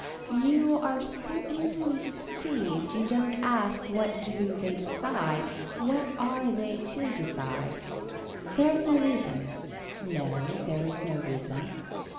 You are so easily deceived you don't ask what do they decide what are they to decide. There is no reason. No there is no reason.